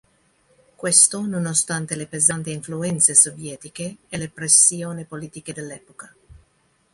Questo nonostante le pesanti influenze sovietiche e le pressioni politiche dell'epoca.